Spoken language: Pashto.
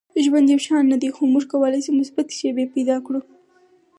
• ژوند یو شان نه دی، خو موږ کولی شو مثبتې شیبې پیدا کړو.